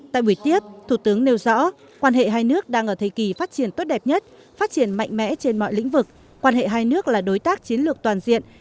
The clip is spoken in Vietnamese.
tại buổi tiếp thủ tướng nêu rõ quan hệ hai nước đang ở thời kỳ phát triển tốt đẹp nhất phát triển mạnh mẽ trên mọi lĩnh vực quan hệ hai nước là đối tác chiến lược toàn diện